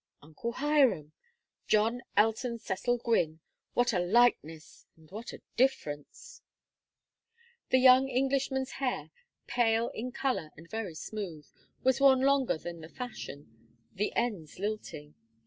"Uncle Hiram John Elton Cecil Gwynne! What a likeness and what a difference!" The young Englishman's hair, pale in color and very smooth, was worn longer than the fashion, the ends lilting.